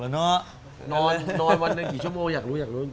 นอนวันหนึ่งกี่ชั่วโมงอยากรู้อยากรู้